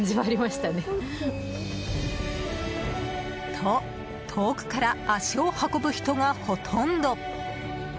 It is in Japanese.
と、遠くから足を運ぶ人がほとんど。